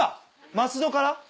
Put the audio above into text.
松戸から？